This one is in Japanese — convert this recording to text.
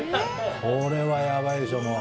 これはヤバいでしょもう。